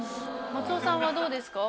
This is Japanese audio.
松尾さんはどうですか？